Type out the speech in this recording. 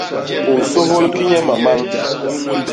U nsôhôl ki nye mamañ?